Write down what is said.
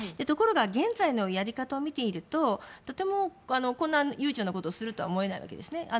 ところが現在のやり方を見ているととても、こんな悠長なことをするとは思えないんですね。